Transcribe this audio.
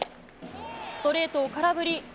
ストレートを空振り。